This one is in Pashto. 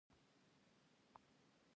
ژبه په ښکنځلو نه وده کوي.